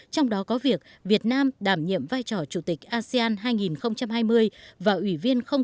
trong đó có việc việt nam đảm nhiệm vai trò chủ tịch asean hai nghìn hai mươi